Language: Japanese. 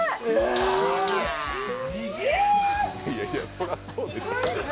そりゃそうでしょ。